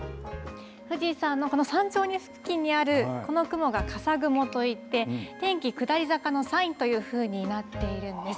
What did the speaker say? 富士山の山頂付近にあるこの雲が笠雲といって、天気下り坂のサインというふうになっているんです。